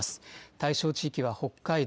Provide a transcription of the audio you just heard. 対象地域は北海道。